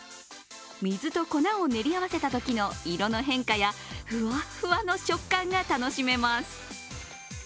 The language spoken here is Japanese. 水と粉を練り合わせたときの色の変化やふわっふわの食感が楽しめます。